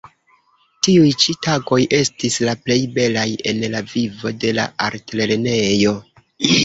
Tiuj ĉi tagoj estis la plej belaj en la vivo de la artlernejo.